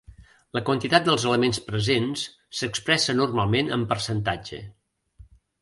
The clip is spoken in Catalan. La quantitat dels elements presents s'expressa normalment en percentatge.